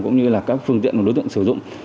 cũng như các phương tiện đối tượng sử dụng